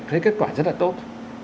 thấy kết quả rất là tốt